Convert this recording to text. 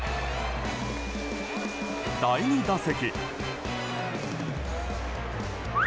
第２打席。